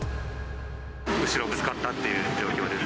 後ろぶつかったという状況です。